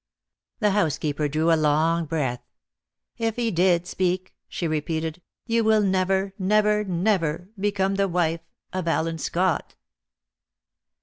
The housekeeper drew a long breath. "If he did speak," she repeated, "you will never never never become the wife of Allen Scott."